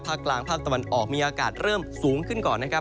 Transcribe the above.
กลางภาคตะวันออกมีอากาศเริ่มสูงขึ้นก่อนนะครับ